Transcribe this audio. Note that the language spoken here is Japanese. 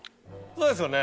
そうですよね。